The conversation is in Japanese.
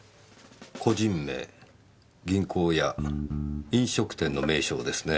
個人名銀行や飲食店の名称ですね。